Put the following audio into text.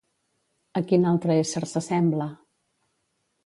A quin altre ésser s'assembla?